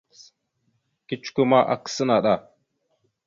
Kecikwe ma, akǝsa naɗ a.